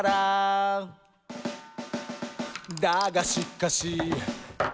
「だがしかし」